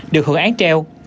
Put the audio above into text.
được hưởng án treo